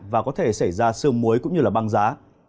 và có thể xảy ra sương muối cũng như băng giá